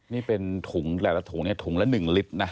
นี่เป็นถุงหลายละถุงถุงละ๑ลิตรนะ